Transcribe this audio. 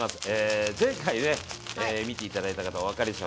前回ね見て頂いた方はお分かりでしょう。